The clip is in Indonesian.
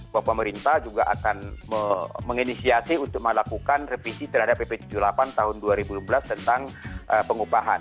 bahwa pemerintah juga akan menginisiasi untuk melakukan revisi terhadap pp tujuh puluh delapan tahun dua ribu lima belas tentang pengupahan